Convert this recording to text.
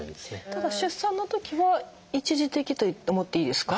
ただ出産のときは一時的と思っていいですか？